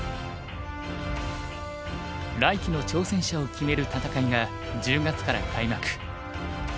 来期の挑戦者を決める戦いが１０月から開幕。